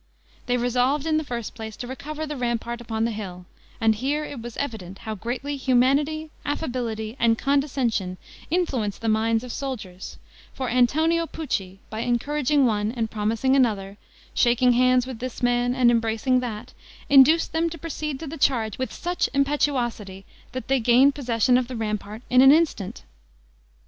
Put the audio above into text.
They resolved, in the first place, to recover the rampart upon the hill; and here it was evident how greatly humanity, affability, and condescension influence the minds of soldiers; for Antonio Pucci, by encouraging one and promising another, shaking hands with this man and embracing that, induced them to proceed to the charge with such impetuosity, that they gained possession of the rampart in an instant.